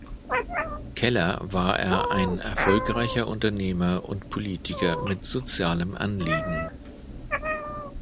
Keller war er ein erfolgreicher Unternehmer und Politiker mit sozialem Anliegen.